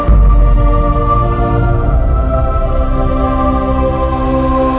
kamu berdua harus hidup